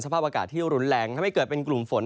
ภาพอากาศที่รุนแรงทำให้เกิดเป็นกลุ่มฝน